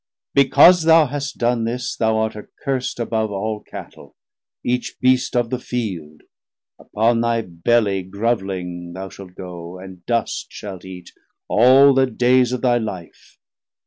Because thou hast done this, thou art accurst Above all Cattel, each Beast of the Field; Upon thy Belly groveling thou shalt goe, And dust shalt eat all the days of thy Life.